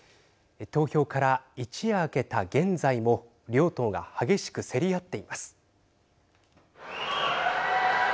投票から一夜明けた現在も両党が激しく競り合っています。